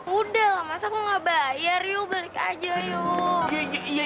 udah lah mas aku gak bayar yuk balik aja yuk